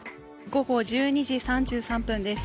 午後１２時３３分です。